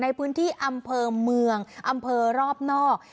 ในพื้นที่อำเภอเมืองอำเภอรอบนอก